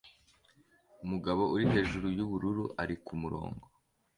Umugabo uri hejuru yubururu ari kumurongo